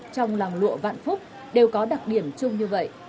trong làng lụa vạn phúc đều có đặc điểm chung như vậy